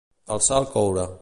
Alçar el coure.